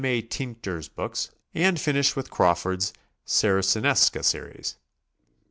A. Tincker's books, and finish with Crawford's Saracinesca series.